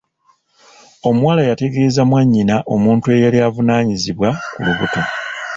Omuwala yategeeza mwannyina omuntu eyali avunaanizibwa ku lubuto.